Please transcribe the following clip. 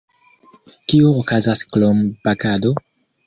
Kio okazas krom bakado?